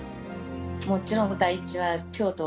もちろん第一は京都